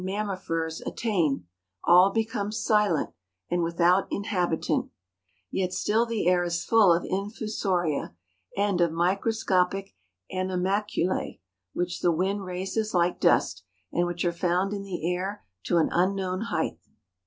mammifers attain, all becomes silent and without inhabitant; yet still the air is full of infusoria, and of microscopic animalculse, which the wind raises likes dust, and which are found in the air to an unknown height.